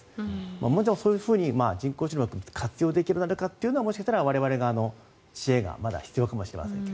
問題はそういうふうに人工知能を活用できるかというのはもしかしたら我々の知恵がまだ必要かもしれません。